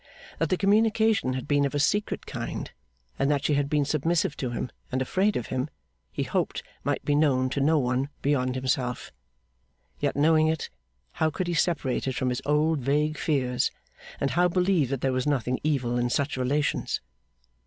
That the communication had been of a secret kind, and that she had been submissive to him and afraid of him, he hoped might be known to no one beyond himself; yet, knowing it, how could he separate it from his old vague fears, and how believe that there was nothing evil in such relations?